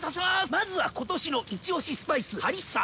まずは今年のイチオシスパイスハリッサ！